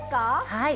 はい。